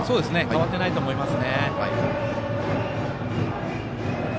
変わっていないと思います。